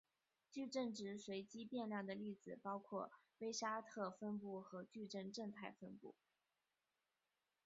矩阵值随机变量的例子包括威沙特分布和矩阵正态分布。